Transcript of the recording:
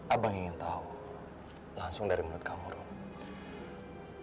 abang ingin tahu langsung dari menurut kamu rom